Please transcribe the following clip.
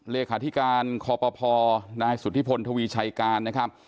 เลขาธิการคอปภนายสุธิพลทวีชัยการนะครับ